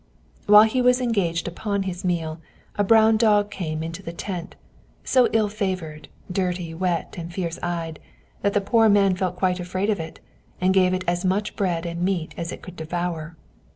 While he was engaged upon his meal, a brown dog came into the tent, so ill favored, dirty, wet, and fierce eyed, that the poor man felt quite afraid of it, and gave it as much bread and meat as it could devour.